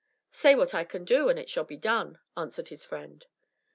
"Say what I can do, and it shall be done," answered his friend.